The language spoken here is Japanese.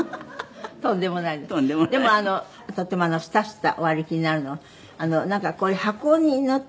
でもとてもスタスタお歩きになるのはなんかこういう箱に乗って？